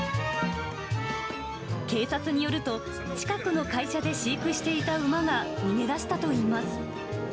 警察によると、近くの会社で飼育していた馬が逃げ出したといいます。